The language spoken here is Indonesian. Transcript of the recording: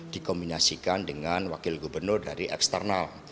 dikombinasikan dengan wakil gubernur dari eksternal